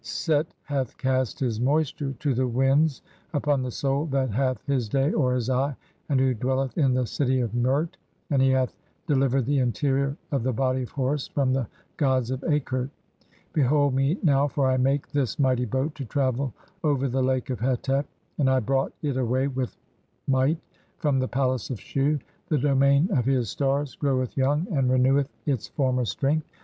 (5) "Set hath cast (?) his moisture to the winds upon the soul [that "hath] his day (or his eye) and who dwelleth in the city of "Mert, and he hath delivered the interior of the body of Horus "from the gods of Akert. Behold me (6) now, for I make this "mighty boat to travel over the Lake of Hetep, and I brought "it away with might from the palace of Shu ; the domain of "his stars groweth young and reneweth its former strength.